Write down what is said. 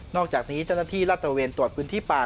อกจากนี้เจ้าหน้าที่รัฐตระเวนตรวจพื้นที่ป่า